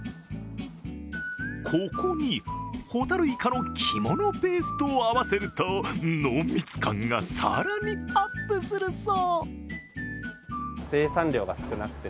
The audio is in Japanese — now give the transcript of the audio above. ここにホタルイカの肝のペーストを合わせると濃密感が更にアップするそう。